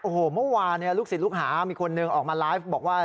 โอ้โหเมื่อวานลูกศิษย์ลูกหามีคนหนึ่งออกมาไลฟ์บอกว่า